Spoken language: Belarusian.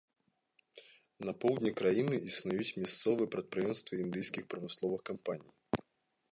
На поўдні краіны існуюць мясцовыя прадпрыемствы індыйскіх прамысловых кампаній.